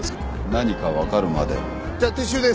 何か分かるまで。